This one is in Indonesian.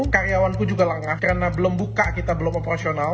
karyawan ku juga langah karena belum buka kita belum operasional